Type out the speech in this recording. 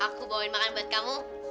aku bawain makan buat kamu